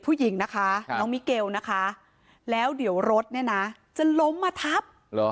ผู้หญิงนะคะน้องมิเกลนะคะแล้วเดี๋ยวรถเนี่ยนะจะล้มมาทับ